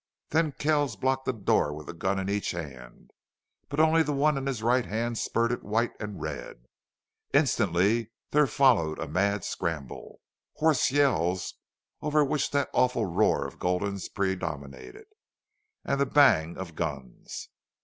Then Kells blocked the door with a gun in each hand, but only the one in his right hand spurted white and red. Instantly there followed a mad scramble hoarse yells, over which that awful roar of Gulden's predominated and the bang of guns.